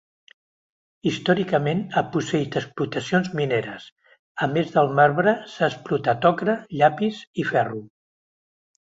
Històricament ha posseït explotacions mineres, a més del marbre s'ha explotat ocre, llapis i ferro.